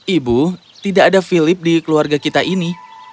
ibu tidak ada philip di keluarga kita ini